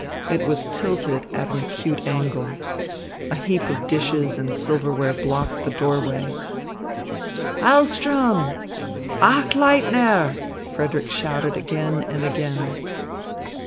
It was tilted at an acute angle. A heap of dishes and silverware blocked the doorway. "Hahlström! Achleitner!" Frederick shouted again and again.